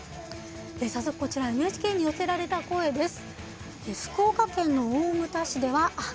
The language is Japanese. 早速こちら、ＮＨＫに寄せられた声です。